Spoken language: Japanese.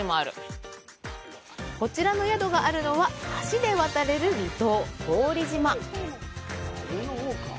こちらの宿があるのは、橋で渡れる離島・古宇利島。